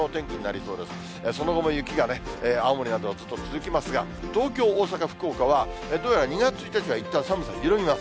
その後も雪が青森などはずっと続きますが、東京、大阪、福岡は、どうやら２月１日はいったん寒さ緩みます。